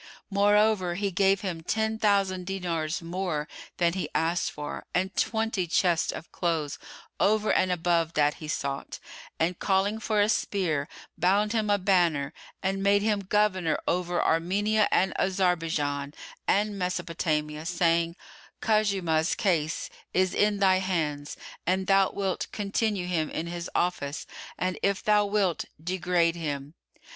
Moreover he gave him ten thousand dinars more than he asked for and twenty chests of clothes over and above that he sought, and calling for a spear, bound him a banner and made him Governor over Armenia and Azarbiján[FN#109] and Mesopotamia, saying, "Khuzaymah's case is in thy hands, an thou wilt, continue him in his office, and if thou wilt, degrade him."